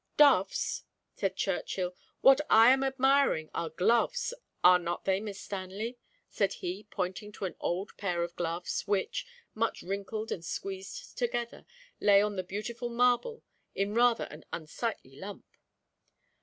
"Doves!" said Churchill, "what I am admiring are gloves, are not they, Miss Stanley?" said he, pointing to an old pair of gloves, which, much wrinkled and squeezed together, lay on the beautiful marble in rather an unsightly lump.